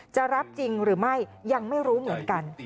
รับจริงหรือไม่ยังไม่รู้เหมือนกัน